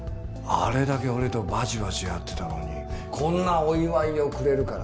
あれだけ俺とバチバチやってたのにこんなお祝いをくれるから。